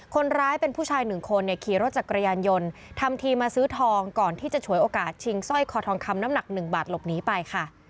คนร้ายเป็นผู้ชายหนึ่งคนเนี่ยขี่รถจักรยานยนต์ทำทีมาซื้อทองก่อนที่จะฉวยโอกาสชิงสร้อยคอทองคำน้ำหนักหนึ่งบาทหลบหนีไปค่ะ